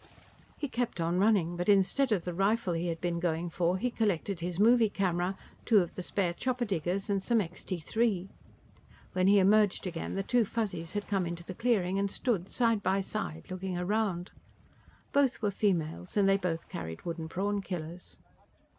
He kept on running, but instead of the rifle he had been going for, he collected his movie camera, two of the spare chopper diggers and some Extee Three. When he emerged again, the two Fuzzies had come into the clearing and stood side by side, looking around. Both were females, and they both carried wooden prawn killers.